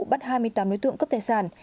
bắt hai mươi tám đối tượng cấp tài sản